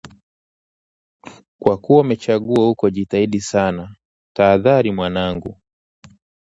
“Kwa kuwa umechagua huko jitahidi sana, tahadhari mwanangu!